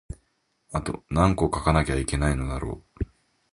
あとなんこ書かなきゃいけないのだろう